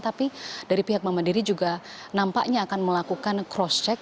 tapi dari pihak bank mandiri juga nampaknya akan melakukan cross check